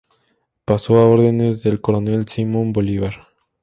Pasó a órdenes del coronel Simón Bolívar.